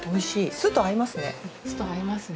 酢と合いますね。